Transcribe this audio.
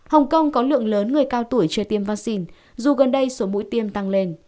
hồng kông có lượng lớn người cao tuổi chưa tiêm vaccine dù gần đây số mũi tiêm tăng lên